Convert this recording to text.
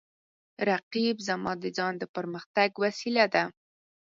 رقیب زما د ځان د پرمختګ وسیله ده